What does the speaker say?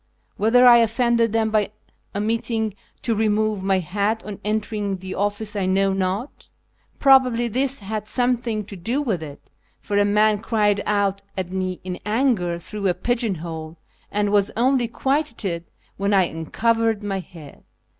Whether I offended them by omitting to remove my hat on entering the office I know not ; probably this had something to do with it, for a man cried out at me in anger through a pigeon hole, and was only quieted when I uncovered my head.